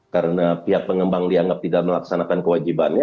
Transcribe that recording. karena pihak pengembang dianggap tidak melaksanakan kewajibannya